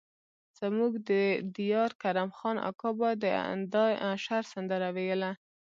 زموږ د ديار کرم خان اکا به د اشر سندره ويله.